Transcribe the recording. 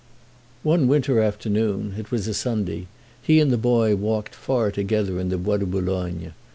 One winter afternoon—it was a Sunday—he and the boy walked far together in the Bois de Boulogne.